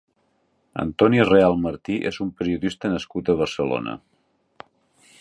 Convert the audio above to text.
Antoni Real Martí és un periodista nascut a Barcelona.